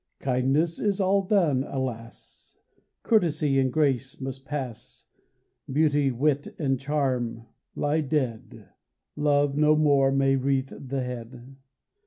Kindness is all done, alas, Courtesy and grace must pass, Beauty, wit and charm lie dead, Love no more may wreathe the head.